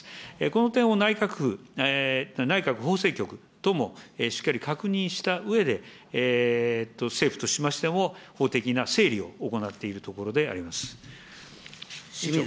この点を内閣法制局とも、しっかり確認したうえで、政府としましても、法的な整理を行っているところであります。